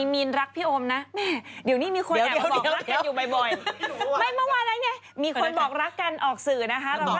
มีรักโอมนัง